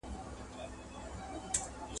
څو ساعته به په غار کي پټ وو غلی !.